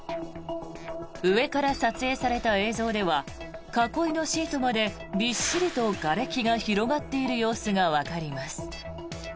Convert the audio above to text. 上から撮影された映像では囲いのシートまでびっしりとがれきが広がっている様子がわかります。